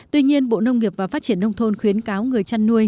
tuy nhiên bộ nông nghiệp và phát triển nông thôn khuyến cáo người chăn nuôi